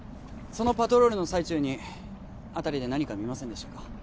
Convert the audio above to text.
そのパトロールの最中に辺りで何か見ませんでしたか？